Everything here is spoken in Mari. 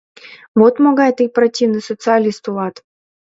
Вот могай тый противный социалист улат...